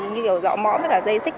như kiểu rõ mõ với cả dây xích